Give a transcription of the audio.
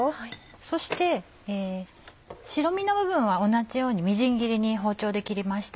そして白身の部分は同じようにみじん切りに包丁で切りました。